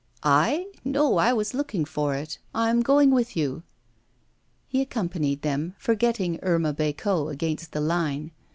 'I? no, I was looking for it I am going with you.' He accompanied them, forgetting Irma Bécot against the 'line.